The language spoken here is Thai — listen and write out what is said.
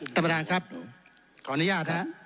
ขออนุญาตครับขออนุญาตนะครับ